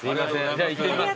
じゃあ行ってきます。